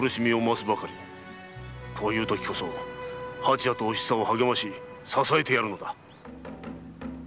こういうときこそ蜂屋とお久を励まし支えてやるのだ。